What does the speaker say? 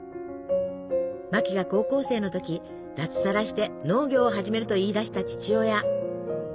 マキが高校生の時脱サラして農業を始めると言い出した父親。